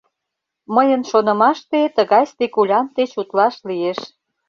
Мыйын шонымаште, тыгай спекулянт деч утлаш лиеш.